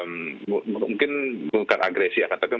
mungkin bukan agresi akan tetap